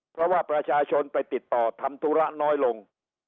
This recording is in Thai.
เพราะว่าประชาชนไปติดต่อทำธุระน้อยลง